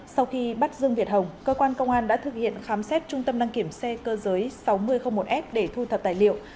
sau khi bắt dương việt hồng cơ quan công an đã thực hiện khám xét trung tâm đăng kiểm xe cơ giới sáu nghìn một s để thu thập tài liệu